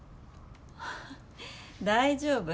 大丈夫。